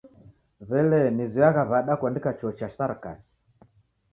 W'elee nizoyagha w'ada kuandika chuo cha sarakasi?